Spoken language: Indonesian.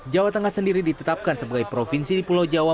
jawa tengah sendiri ditetapkan sebagai provinsi di pulau jawa